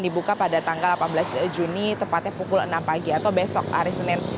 dibuka pada tanggal delapan belas juni tepatnya pukul enam pagi atau besok hari senin